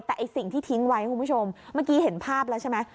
แต่ไอ้สิ่งที่ทิ้งไว้คุณผู้ชมเมื่อกี้เห็นภาพแล้วใช่ไหม